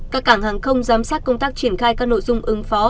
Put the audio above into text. các cảng hàng không giám sát công tác triển khai các nội dung ứng phó